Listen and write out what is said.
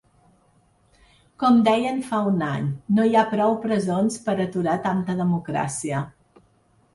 Com dèiem fa un any: no hi ha prou presons per aturar tanta democràcia.